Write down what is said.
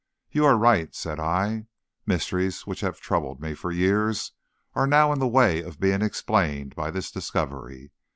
"You are right," said I. "Mysteries which have troubled me for years are now in the way of being explained by this discovery.